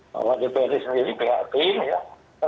pak wadid pmd sendiri prihatin ya